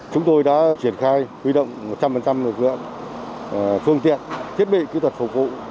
chúng tôi đã triển khai quy động một trăm linh lực lượng phương tiện thiết bị kỹ thuật phục vụ